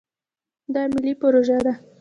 دا ملي پروژه ده.